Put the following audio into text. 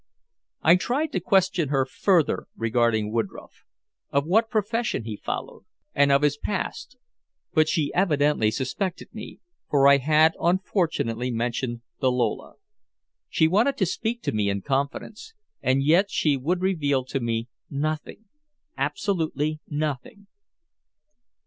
I tried to question her further regarding Woodroffe, of what profession he followed and of his past. But she evidently suspected me, for I had unfortunately mentioned the Lola. She wanted to speak to me in confidence, and yet she would reveal to me nothing absolutely nothing.